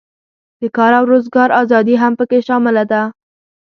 د کار او روزګار آزادي هم پکې شامله ده.